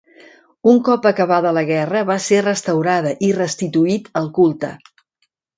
Un cop acabada la guerra va ser restaurada i restituït el culte.